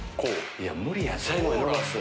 いや無理やて。